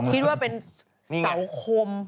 คิดว่าเป็นเสาคม